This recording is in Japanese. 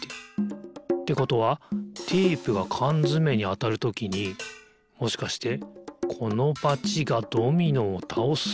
ってことはテープがかんづめにあたるときにもしかしてこのバチがドミノをたおす？